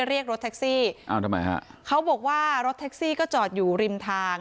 เรียกรถแท็กซี่อ้าวทำไมฮะเขาบอกว่ารถแท็กซี่ก็จอดอยู่ริมทาง